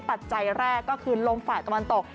ปัจจัยแรกก็คือลมฝ่ายตะวันตก